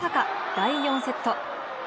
第４セット。